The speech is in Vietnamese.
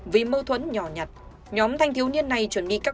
vì mâu thuẫn nhỏ nhặt nhóm thanh thiếu niên này chuẩn bị các khu vực